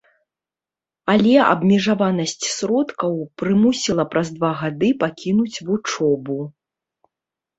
Але абмежаванасць сродкаў прымусіла праз два гады пакінуць вучобу.